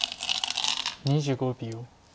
２５秒。